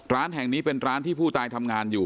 ร้านแห่งนี้เป็นร้านที่ผู้ตายทำงานอยู่